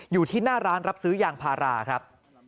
อยู่ที่หน้าร้านรับซื้อยางพาราครับ